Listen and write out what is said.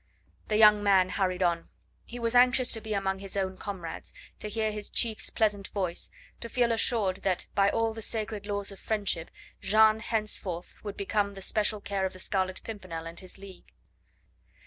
The young man hurried on; he was anxious to be among his own comrades, to hear his chief's pleasant voice, to feel assured that by all the sacred laws of friendship Jeanne henceforth would become the special care of the Scarlet Pimpernel and his league.